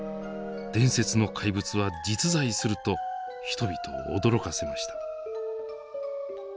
伝説の怪物は実在すると人々を驚かせました。